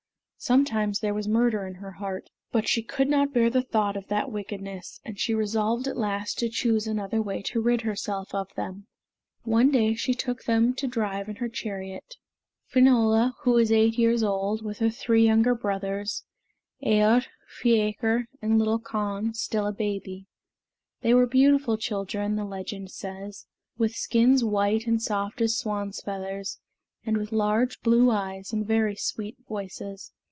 Sometimes there was murder in her heart, but she could not bear the thought of that wickedness, and she resolved at last to choose another way to rid herself of them. One day she took them to drive in her chariot: Finola, who was eight years old, with her three younger brothers, Aodh, Fiacre, and little Conn, still a baby. They were beautiful children, the legend says, with skins white and soft as swans' feathers, and with large blue eyes and very sweet voices.